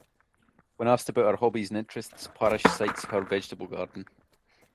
When asked about her hobbies and interests Parish cites her vegetable garden.